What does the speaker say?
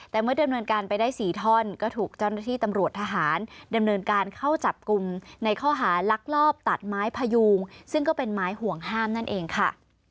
แต่เมื่อดำเนินการไปได้๔ท่อนก็ถูกเจ้าหน้าที่ตำรวจทหารดำเนินการเข้าจับกลุ่มในข้อหาลักลอบตัดไม้พยูงซึ่งก็เป็นไม้ห่วงห้ามนั่นเองค่ะ